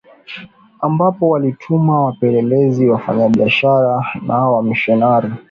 ambapo waliwatuma wapelelezi wafanyabiasha na wamisionari